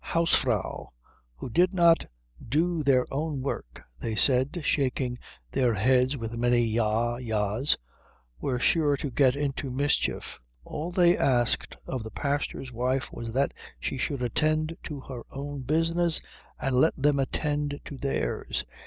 Hausfraus who did not do their own work, they said, shaking their heads with many ja, ja's, were sure to get into mischief. All they asked of the pastor's wife was that she should attend to her own business and let them attend to theirs.